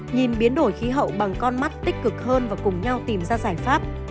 nhìn biến đổi khí hậu bằng con mắt tích cực hơn và cùng nhau tìm ra giải pháp